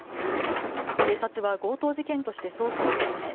警察は強盗事件として捜査を進め